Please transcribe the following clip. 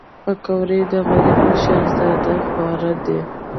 پکورې د غریبو شهزاده خواړه دي